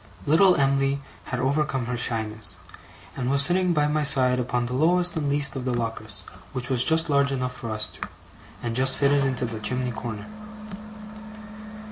Little Em'ly had overcome her shyness, and was sitting by my side upon the lowest and least of the lockers, which was just large enough for us two, and just fitted into the chimney corner.